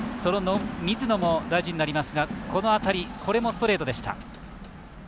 水野も大事になりますがこれもストレートでした。